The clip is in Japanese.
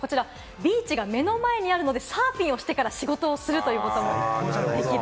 ビーチが目の前にあるので、サーフィンをしてから仕事をするということもできる。